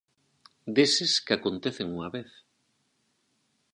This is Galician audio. Deses que acontecen unha vez.